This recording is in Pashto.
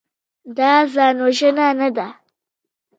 دا ځانوژنه نه ده.